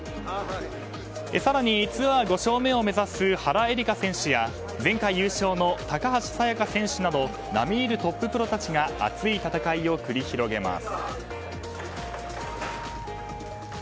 更に、ツアー５勝目を目指す原英莉花選手や前回優勝の高橋彩華選手など並み居るトッププロたちが熱い戦いを繰り広げます。